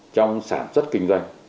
trong sản xuất kinh doanh